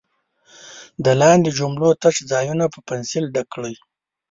د لاندې جملو تش ځایونه په پنسل ډک کړئ.